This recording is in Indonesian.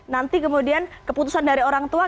nanti kemudian keputusan dari orang tua